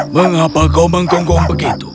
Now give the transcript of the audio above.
mengapa kau menggonggong begitu